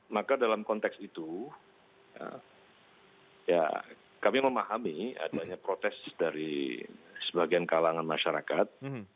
maka dalam konteks itu ya kami memahami adanya protes dari sebagian kalangan masyarakat